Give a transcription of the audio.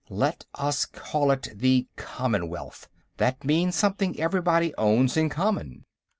Let us call it the Commonwealth. That means something everybody owns in common."